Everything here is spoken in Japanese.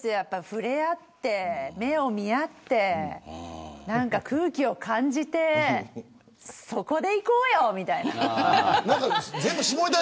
触れあって、目を見合ってなんか空気を感じてそこで行こうよ、みたいな。